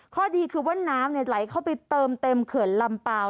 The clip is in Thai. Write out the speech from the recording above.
ข้อดีคือว่าน้ำไหลเข้าไปเติมเต็มเขื่อนลำเปล่า